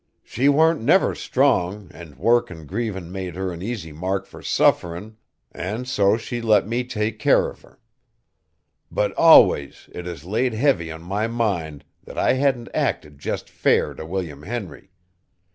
She warn't never strong, an' work an' grievin' made her an easy mark fur sufferin' an' so she let me take care of her! But always it has laid heavy on my mind that I hadn't acted jest fair t' William Henry.